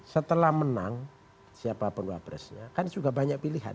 setelah menang siapapun wapresnya kan juga banyak pilihan